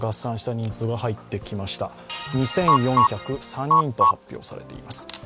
２４０３人と発表されています。